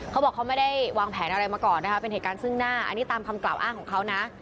เขาบอกเขาไม่ได้วางแผนอะไรมาก่อนนะคะเป็นเหตุการณ์ซึ่งหน้าอันนี้ตามคำกล่าวอ้างของเขานะ